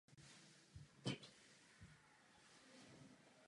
Módy lze rozlišit z hlediska návaznosti scénáře ve hře nebo z hlediska počtu hráčů.